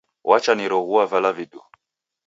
Wacha niroghua vala viduu.